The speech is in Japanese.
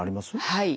はい。